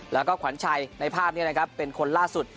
แล้วก็ขวัญช่ายในภาพนี้เป็นคนล่าสุด